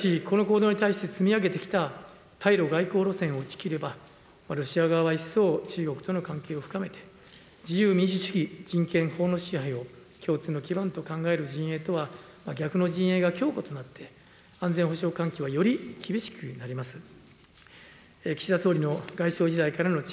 しかし、この行動に対して、積み上げてきた対露外交路線を打ち切れば、ロシア側は一層中国との関係を深めて、自由、民主主義、人権、法の支配を共通の基盤と考える陣営とは逆の陣営が強固となって、安全保障環境はより厳しくなります。